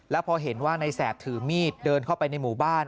แล้วพอเห็นว่าในแสบถือมีดเดินเข้าไปในหมู่บ้าน